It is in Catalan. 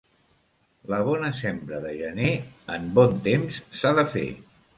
La bona sembra de gener en bon temps s'ha de fer.